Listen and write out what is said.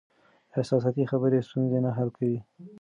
احساساتي خبرې ستونزې نه حل کوي.